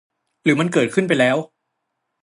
หรือมันเกิดขึ้นไปแล้ว